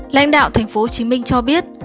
lãnh đạo tp hcm cho biết